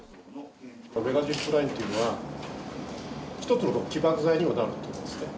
メガジップラインというのは、一つの起爆剤にもなると思うんですね。